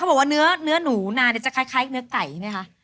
เขาบอกว่าเนื้อหนูนาจะคล้ายเนื้อไก่เนี่ยค่ะ